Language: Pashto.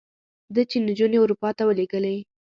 ده چې نجونې اروپا ته ولېږلې.